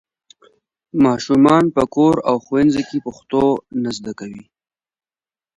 ماشومان په کور او ښوونځي کې پښتو نه زده کوي.